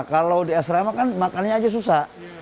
kalau di asrama kan makannya aja susah